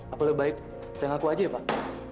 apalagi baik saya ngaku saja ya pak